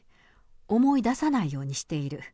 思い出さないようにしている。